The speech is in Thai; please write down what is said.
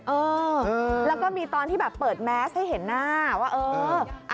เออแล้วก็มีตอนที่แบบเปิดแมสให้เห็นหน้าว่าเออ